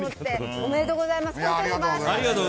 おめでとうございます。